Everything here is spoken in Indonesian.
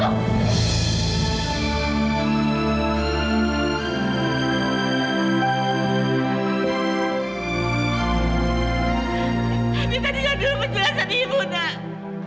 evita dihadirkan dulu penjelasan ibu nak